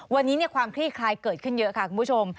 วันนี้ความคลี่คลายเกิดขึ้นเยอะค่ะคุณผู้ชม